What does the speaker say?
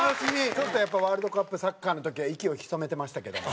ちょっとやっぱワールドカップサッカーの時は息を潜めてましたけども。